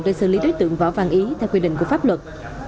để xử lý đối tượng võ văn ý theo quy định của pháp luật